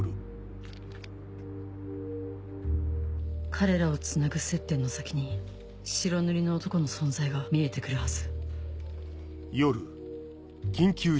彼らをつなぐ接点の先に白塗りの男の存在が見えて来るはず